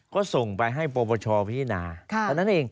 ก็ส่งไปให้ปวชพิจารณาค่ะ